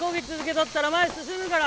とったら前進むから。